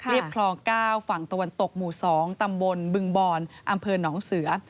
คลอง๙ฝั่งตะวันตกหมู่๒ตำบลบึงบอนอำเภอหนองเสือ